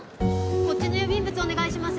こっちの郵便物お願いします。